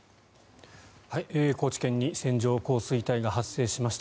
高知県に線状降水帯が発生しました。